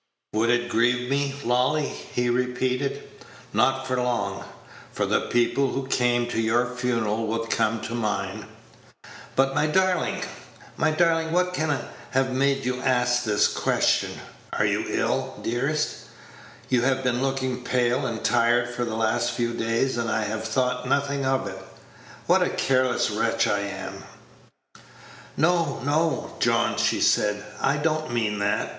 "Would it grieve me, Lolly!" he repeated; "not for long; for the people who came to your funeral would come to mine. But, my darling, my darling, what can have made you ask this question? Are you ill, dearest? You have been looking pale and tired for the last few days, and I have thought nothing of it. What a careless wretch I am!" "No, no, John," she said, "I don't mean that.